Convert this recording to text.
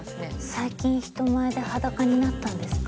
最近人前で裸になったんですか？